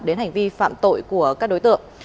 đến hành vi phạm tội của các đối tượng